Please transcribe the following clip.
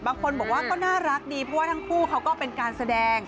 บางคนบอกว่าก็น่ารักดีเพราะว่าทั้งคู่เขาก็เป็นการแสดง